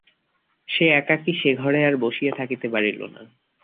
সে একাকী সে ঘরে আর বসিয়া থাকিতে পারিল না।